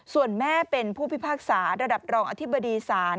ส่วนแม่เป็นผู้พิพากษาระดับรองอธิบดีศาล